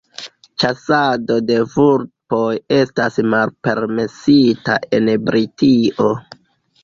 ĉasado de vulpoj estas malpermesita en Britio.